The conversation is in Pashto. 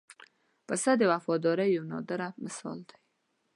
پسه د وفادارۍ یو نادره مثال دی.